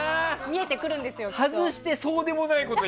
見えてくるんですよ、きっと。